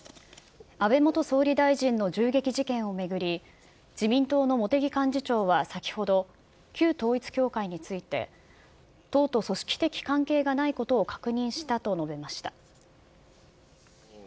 安倍元総理大臣の銃撃事件を巡り、自民党の茂木幹事長は先ほど、旧統一教会について、党と組織的関係がないことを確認したと述べました。